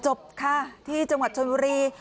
จบค่ะที่จังหวัดชนบุรี